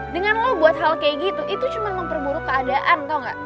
dengan lo buat hal kayak gitu itu cuma memperburuk keadaan atau enggak